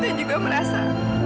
tante juga merasa